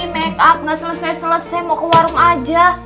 makeup nggak selesai selesai mau ke warung aja